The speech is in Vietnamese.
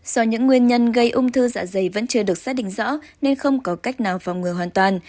do những nguyên nhân gây ung thư dạ dày vẫn chưa được xác định rõ nên không có cách nào phòng ngừa hoàn toàn